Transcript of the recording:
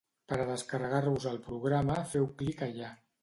Per a descarregar-vos el programa feu clic allà.